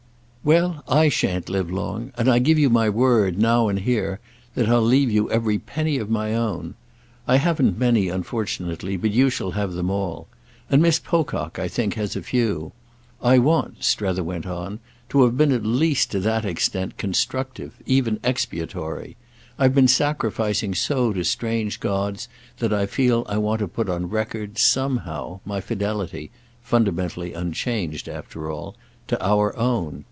"Well, I shan't live long; and I give you my word, now and here, that I'll leave you every penny of my own. I haven't many, unfortunately, but you shall have them all. And Miss Pocock, I think, has a few. I want," Strether went on, "to have been at least to that extent constructive even expiatory. I've been sacrificing so to strange gods that I feel I want to put on record, somehow, my fidelity—fundamentally unchanged after all—to our own.